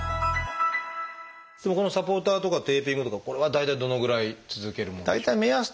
このサポーターとかテーピングとかこれは大体どのぐらい続けるものでしょうか？